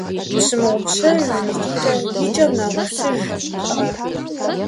Пщымыгъупщэж щӀыкӀэ, и кӀэм нэгъэсыж, кхъыӀэ.